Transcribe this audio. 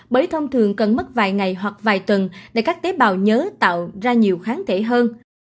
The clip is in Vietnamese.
bởi thông thường cần mất vài ngày hoặc vài tuần để các tế bào nhớ tạo ra nhiều kháng thể hơn